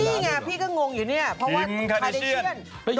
นี่ไงพี่ก็งงอยู่เนี่ยเพราะว่าจริงค่ะนิเชียน